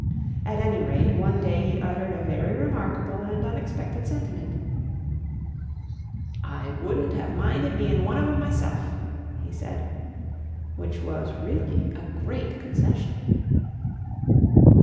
At any rate, one day he uttered a very remarkable and unexpected sentiment: "I wouldn't have minded bein' one of 'em myself!" he said which was really a great concession.